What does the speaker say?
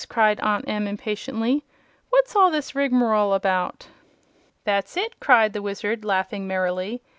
cried Aunt Em, impatiently; "what's all this rigmarole about?" "That's it!" said the Wizard, laughing merrily.